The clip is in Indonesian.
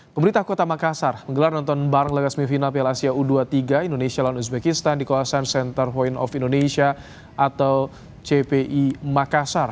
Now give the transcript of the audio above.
pemerintah kota makassar menggelar nonton bareng lewat semifinal piala asia u dua puluh tiga indonesia lawan uzbekistan di kawasan center point of indonesia atau cpi makassar